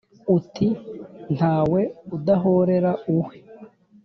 uti: nta we udahorera uwe.